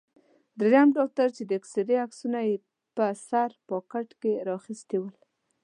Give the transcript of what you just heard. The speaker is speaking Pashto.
دریم ډاکټر چې د اېکسرې عکسونه یې په سر پاکټ کې را اخیستي ول.